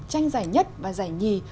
tranh giải nhất và giải nhì